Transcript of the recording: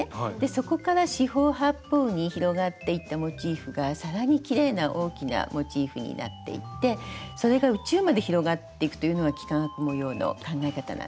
そこから四方八方に広がっていったモチーフが更にきれいな大きなモチーフになっていってそれが宇宙まで広がっていくというのが幾何学模様の考え方なんですね。